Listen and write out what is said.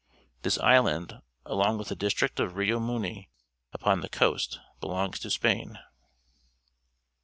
This island, along with the district of Rio Muni upon the coast, belongs to Spain.